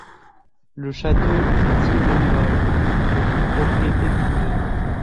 Le château de Tilloloy est une propriété privée.